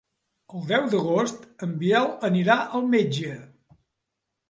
El deu d'agost en Biel anirà al metge.